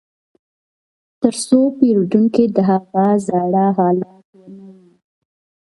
ترڅو پیرودونکي د هغه زاړه حالت ونه ویني